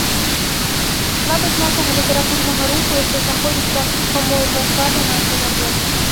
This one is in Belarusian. Слабасць нашага літаратурнага руху яшчэ знаходзіцца, па-мойму, па-за нашай работай.